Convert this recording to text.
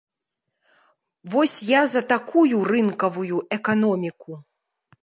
Вось я за такую рынкавую эканоміку!